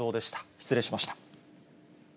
失礼しました。